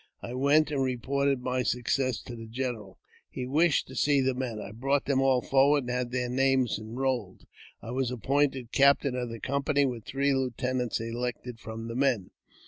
I went and reported my success to the general. He wished to see the men. I brought them all forward, and had their names en rolled. I was appointed captain of the company, with three 1 lieutenants elected from the men.